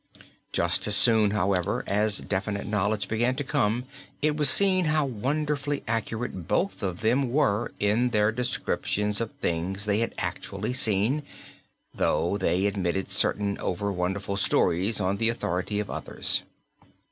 Just as soon, however, as definite knowledge began to come it was seen how wonderfully accurate both of them were in their descriptions of things they had actually seen, though they admitted certain over wonderful stories on the authority of others.